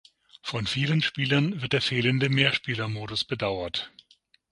Von vielen Spielern wird der fehlende Mehrspieler-Modus bedauert.